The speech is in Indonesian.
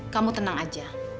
kamu tenang aja